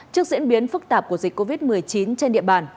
trên biến phức tạp của dịch covid một mươi chín trên địa bàn